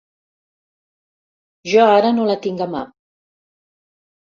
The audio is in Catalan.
Jo ara no la tinc a mà.